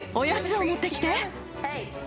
おやつを持ってきて。